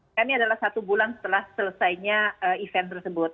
ini adalah satu bulan setelah selesainya event tersebut